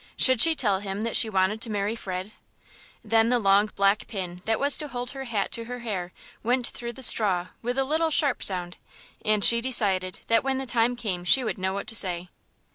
Should she tell him that she wanted to marry Fred? Then the long black pin that was to hold her hat to her hair went through the straw with a little sharp sound, and she decided that when the time came she would know what to say.